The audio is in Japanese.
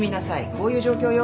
こういう状況よ。